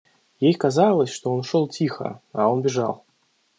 Ей казалось, что он шел тихо, а он бежал.